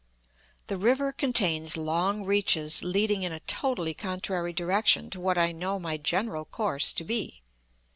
The river contains long reaches leading in a totally contrary direction to what I know my general course to be.